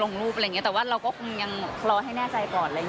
ลงรูปแต่ว่าเราก็คงยังรอให้แน่ใจก่อน